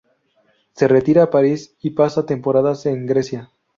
Se retira a París y pasa temporadas en Grecia.